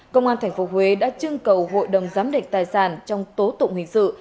công an thành phố huế đã trưng cầu hội đồng giám địch tài sản trong tố tụng hình sự